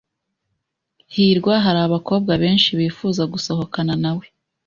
hirwa, hari abakobwa benshi bifuza gusohokana nawe.